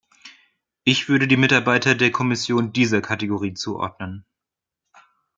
Ich würde die Mitarbeiter der Kommission dieser Kategorie zuordnen.